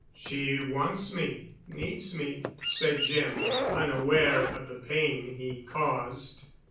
"She wants me,—needs me," said Jim, unaware of the pain he caused.